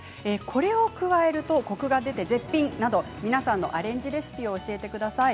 これを加えるとコクが出て絶品など皆さんのアレンジレシピを教えてください。